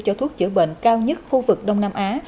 cho thuốc chữa bệnh cao nhất khu vực đông nam á